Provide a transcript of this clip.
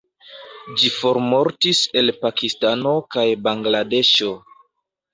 Ĝi formortis el Pakistano kaj Bangladeŝo.